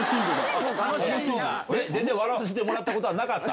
笑わせてもらったことなかった？